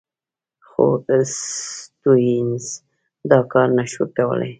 خو سټیونز دا کار نه شو کولای.